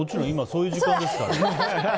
今、そういう時間ですから。